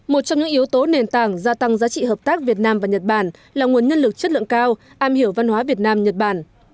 một trong những yếu tố nền tảng gia tăng giá trị hợp tác việt nam và nhật bản là nguồn nhân lực chất lượng cao am hiểu văn hóa việt nam nhật bản